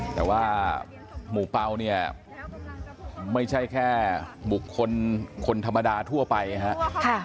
แต่ว่าหมู่เปล่าเนี่ยไม่ใช่แค่บุคคลคนธรรมดาทั่วไปครับ